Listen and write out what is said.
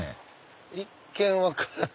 一見分からない。